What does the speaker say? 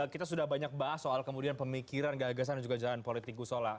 kita sudah banyak bahas soal kemudian pemikiran gagasan dan juga jalan politik gusola